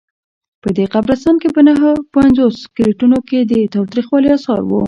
په دې قبرستان کې په نههپنځوس سکلیټونو کې د تاوتریخوالي آثار وو.